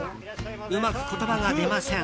うまく言葉が出ません。